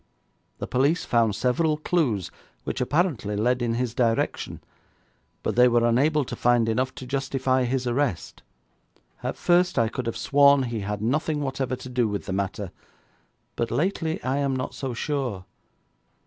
The police found several clues which apparently led in his direction, but they were unable to find enough to justify his arrest. At first I could have sworn he had nothing whatever to do with the matter, but lately I am not so sure.